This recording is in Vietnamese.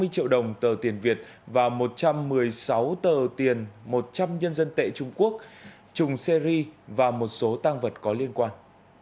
ba trăm năm mươi triệu đồng tờ tiền việt và một trăm một mươi sáu tờ tiền một trăm linh nhân dân tệ trung quốc trùng xe ri và một số tăng vật có liên quan